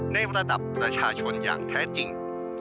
ในระดับประชาชนอย่างแท้จริง